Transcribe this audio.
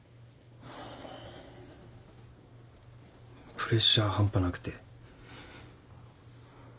プレッシャー半端なくて。